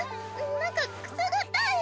何かくすぐったいよ